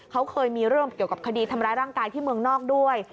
เขาเคยมีเรื่องเกี่ยวกับคดีทำร้ายร่างกายที่เมืองนอกด้วย